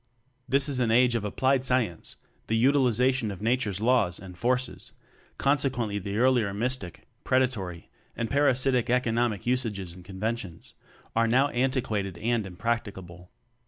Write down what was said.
This is an age of applied Science the utilization of Nature's Laws and forces consequently the earlier mystic, _ predatory, and parasitic economic usages and conventions are now antiquated and impracticable.